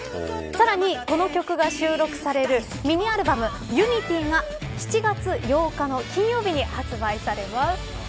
さらにこの曲が収録されるミニアルバム、Ｕｎｉｔｙが７月８日の金曜日に発売されます。